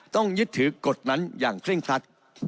ต้องยึดถือกฎนั้นอย่างเคร่งครัด